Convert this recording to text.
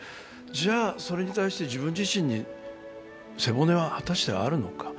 じゃあ、それに対して自分自身に背骨は果たしてあるのか？